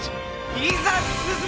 いざ進め！